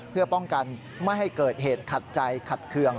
เพื่อป้องกันไม่ให้เกิดเหตุขัดใจขัดเคือง